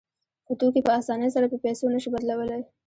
خو توکي په اسانۍ سره په پیسو نشو بدلولی